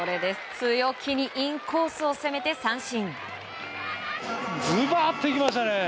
強気にインコースを攻めて、三振。